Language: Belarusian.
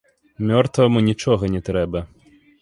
Мёртваму нічога не трэба.